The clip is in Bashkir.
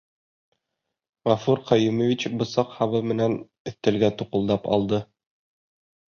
Ғәфүр Ҡәйүмович бысаҡ һабы менән өҫтәлгә туҡылдап алды: